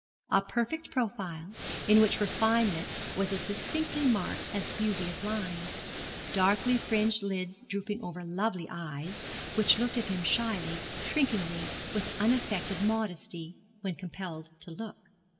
A perfect profile, in which refinement was as distinctly marked as beauty of line. Darkly fringed lids drooping over lovely eyes, which looked at him shyly, shrinkingly, with unaffected modesty, when compelled to look.